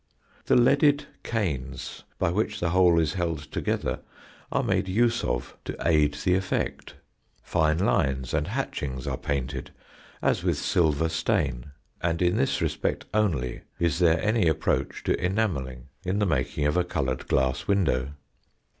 The leaded "canes" by which the whole is held together are made use of to aid the effect. Fine lines and hatchings are painted as with "silver stain," and in this respect only is there any approach to enamelling in the making of a coloured glass window.